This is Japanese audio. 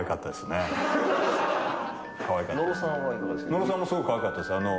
野呂さんもすごいかわいかったです。